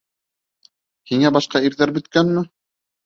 Һиңә башҡа ирҙәр бөткәнме?